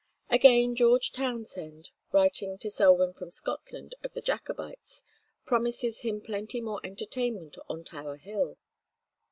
Again George Townshend, writing to Selwyn from Scotland of the Jacobites, promises him plenty more entertainment on Tower Hill.